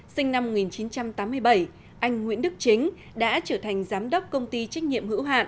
sinh năm một nghìn chín trăm tám mươi bảy anh nguyễn đức chính đã trở thành giám đốc công ty trách nhiệm hữu hạn